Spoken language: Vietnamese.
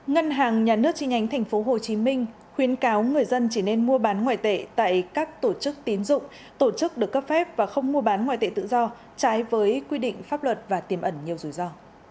ngân hàng nhà nước chi nhánh tp hcm khuyến cáo người dân chỉ nên mua bán ngoại tệ tại các tổ chức tín dụng tổ chức được cấp phép và không mua bán ngoại tệ tự do trái với quy định pháp luật và tiềm ẩn nhiều rủi ro